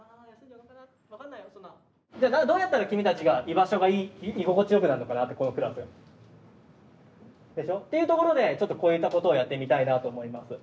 じゃあどうやったら君たちが居場所が居心地よくなるのかなってこのクラス。でしょ？っていうところでちょっとこういったことをやってみたいなと思います。